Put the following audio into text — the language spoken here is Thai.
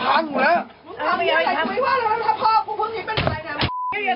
มึงทำอย่างงี้